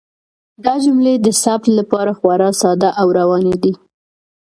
دا جملې د ثبت لپاره خورا ساده او روانې دي.